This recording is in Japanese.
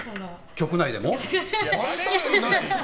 局内でも？